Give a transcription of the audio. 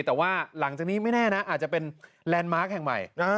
แต่ว่าหลังจากนี้ไม่แน่นะอาจจะเป็นแลนด์มาร์คแห่งใหม่